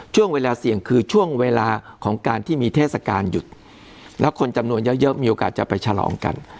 ช่วงเวลาเสี่ยงคือช่วงเวลาของการที่มีเทศกาลหยุดแล้วคนจำนวนเยอะเยอะมีโอกาสจะไปฉลองกัน